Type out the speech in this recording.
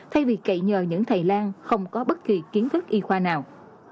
thay vì cậy nhờ những thầy lan không có bất kỳ kiến thức y khoa nào